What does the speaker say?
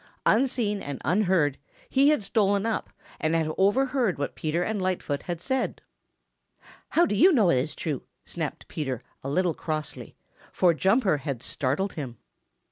Unseen and unheard, he had stolen up and had overheard what Peter and Lightfoot had said. "How do you know it is true?" snapped Peter a little crossly, for Jumper had startled him.